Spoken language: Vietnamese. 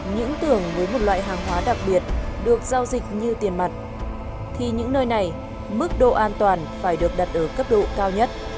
những tưởng với một loại hàng hóa đặc biệt được giao dịch như tiền mặt thì những nơi này mức độ an toàn phải được đặt ở cấp độ cao nhất